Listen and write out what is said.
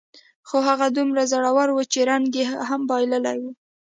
خو هغه دومره زوړ و، چې رنګ یې هم بایللی و.